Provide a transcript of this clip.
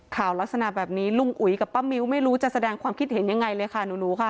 ข่าวลักษณะแบบนี้ลุงอุ๋ยกับป้ามิ้วไม่รู้จะแสดงความคิดเห็นยังไงเลยค่ะหนูค่ะ